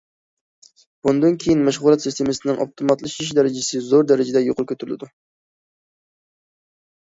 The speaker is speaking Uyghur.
بۇندىن كېيىن مەشغۇلات سىستېمىسىنىڭ ئاپتوماتلىشىش دەرىجىسى زور دەرىجىدە يۇقىرى كۆتۈرۈلىدۇ.